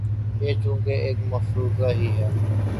یہ چونکہ ایک مفروضہ ہی ہے۔